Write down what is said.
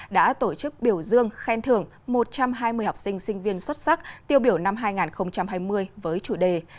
đã tổ chức biểu dương khen thưởng một trăm hai mươi học sinh sinh viên xuất sắc tiêu biểu năm hai nghìn hai mươi với chủ đề